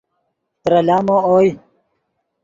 ترے لامو اوئے